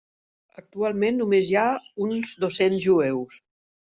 Actualment només hi ha uns dos-cents jueus.